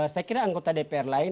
saya kira anggota dpr lain